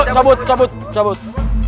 cabut cabut cabut